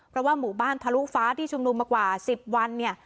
เพราะว่าหมู่บ้านทะลุฟ้าที่ชมนุมเมื่อกว่า๑๐วัน